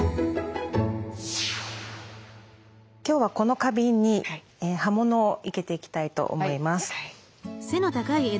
今日はこの花瓶に葉物を生けていきたいと思います。